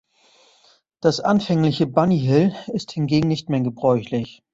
Das anfängliche „Bunny-Hill“ ist hingegen nicht mehr gebräuchlich.